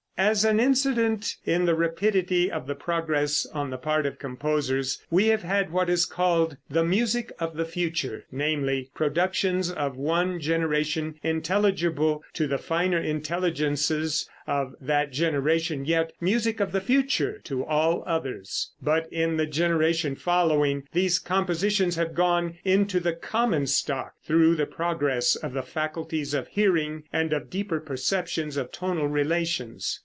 As an incident in the rapidity of the progress on the part of composers, we have had what is called "the music of the future"; namely, productions of one generation intelligible to the finer intelligences of that generation, yet "music of the future" to all the others; but in the generation following, these compositions have gone into the common stock, through the progress of the faculties of hearing and of deeper perceptions of tonal relations.